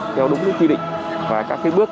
theo đúng cái quy định và các cái bước